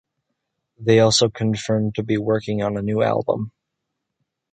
They also confirmed to be working on a new album.